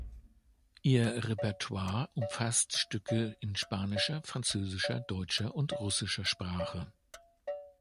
Ihr Repertoire umfasst Stücke in spanischer, französischer, deutscher und russischer Sprache.